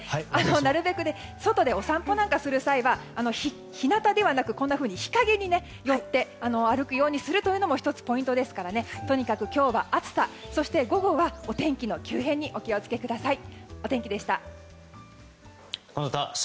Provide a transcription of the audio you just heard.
なるべく外でお散歩する際は日なたではなく日陰に寄って歩くようにすることも１つポイントですからとにかく今日は暑さそして午後はお天気の急変にお気をつけください。